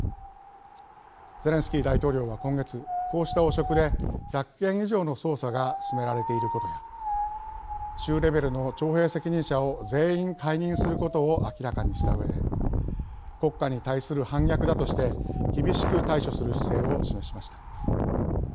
ゼレンスキー大統領は今月、こうした汚職で１００件以上の捜査が進められていることや州レベルの徴兵責任者を全員解任することを明らかにしたうえで国家に対する反逆だとして厳しく対処する姿勢を示しました。